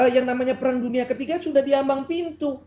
yang namanya perang dunia ketiga sudah diambang pintu